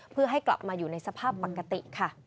เพื่อให้กลับมาอยู่ในสภาพปกติค่ะ